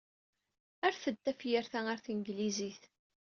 Rret-d tafyirt-a ɣer tanglizit.